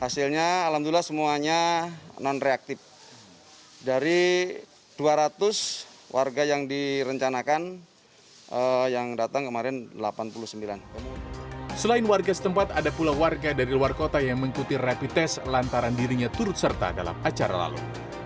selain warga setempat ada pula warga dari luar kota yang mengikuti rapid test lantaran dirinya turut serta dalam acara lalu